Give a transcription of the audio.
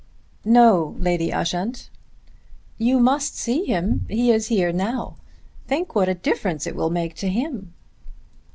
"No, Lady Ushant." "You must see him. He is here now. Think what a difference it will make to him."